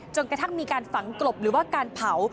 กระทั่งมีการฝังกลบหรือว่าการเผา